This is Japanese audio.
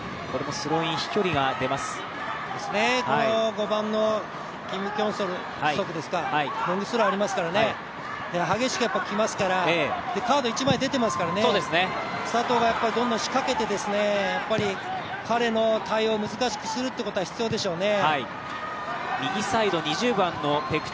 ５番のキム・キョンソクですか、ロングスローありますからね激しくきますから、カード１枚出ていますからね、佐藤がどんどん仕掛けて、彼の対応を難しくするということは必要でしょうね。